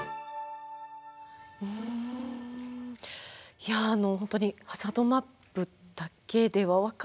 いや本当にハザードマップだけでは分からない